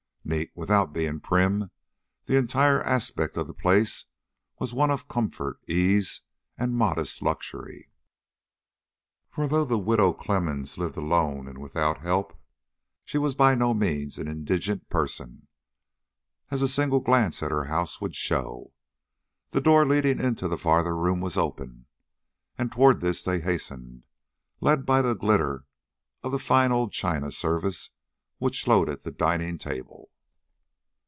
Neat, without being prim, the entire aspect of the place was one of comfort, ease, and modest luxury. For, though the Widow Clemmens lived alone and without help, she was by no means an indigent person, as a single glance at her house would show. The door leading into the farther room was open, and toward this they hastened, led by the glitter of the fine old china service which loaded the dining table.